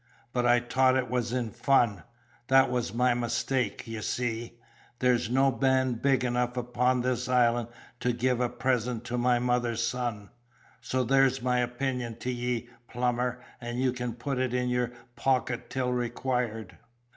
But I t'ought it was in fun; that was my mistake, ye see; and there's no man big enough upon this island to give a present to my mother's son. So there's my opinion to ye, plumber, and you can put it in your pockut till required."